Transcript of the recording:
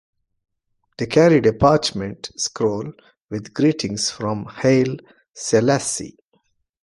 They carried a parchment scroll with greetings from Haile Selassie.